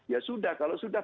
ya sudah kalau sudah